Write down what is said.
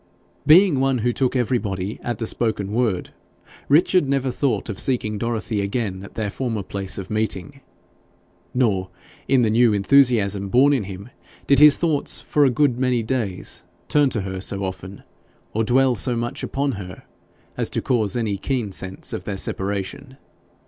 Being one who took everybody at the spoken word, Richard never thought of seeking Dorothy again at their former place of meeting. Nor, in the new enthusiasm born in him, did his thoughts for a good many days turn to her so often, or dwell so much upon her, as to cause any keen sense of their separation.